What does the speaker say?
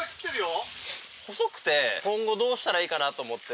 細くて今後どうしたらいいかなと思って。